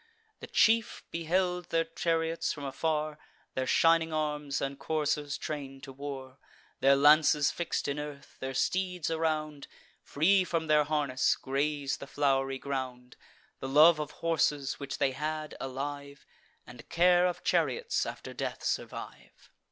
The chief beheld their chariots from afar, Their shining arms, and coursers train'd to war: Their lances fix'd in earth, their steeds around, Free from their harness, graze the flow'ry ground. The love of horses which they had, alive, And care of chariots, after death survive.